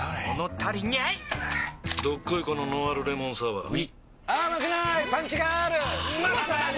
どっこいこのノンアルレモンサワーうぃまさに！